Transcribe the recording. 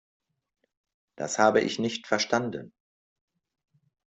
Das habe ich nicht verstanden.